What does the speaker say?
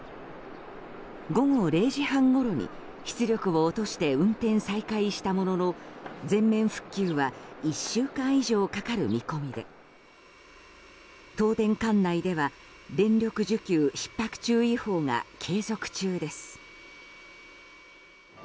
午後０時半ごろに出力を落として運転再開したものの全面復旧は１週間以上かかる見込みで東電管内では電力需給ひっ迫注意報が継続中です。